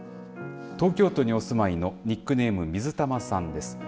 東京都にお住まいのニックネーム水玉さんです。